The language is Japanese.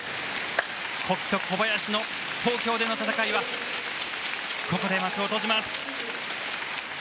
保木と小林の東京での戦いはここで幕を閉じます。